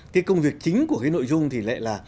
cái công việc chính của cái nội dung thì lại là